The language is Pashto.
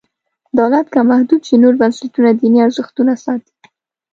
دولت که محدود شي نور بنسټونه دیني ارزښتونه ساتي.